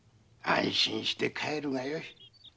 安心して帰るがよい。